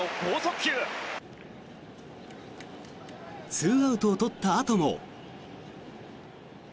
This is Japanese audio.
２アウトを取ったあとも。